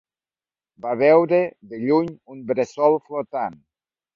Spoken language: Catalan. Va veure, de lluny, un bressol flotant.